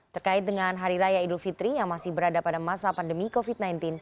terkait dengan hari raya idul fitri yang masih berada pada masa pandemi covid sembilan belas